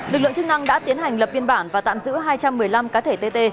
lực lượng chức năng đã tiến hành lập biên bản và tạm giữ hai trăm một mươi năm cá thể tt